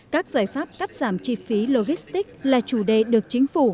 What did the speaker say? các giải pháp cắt giảm chi phí logistics là chủ đề được chính phủ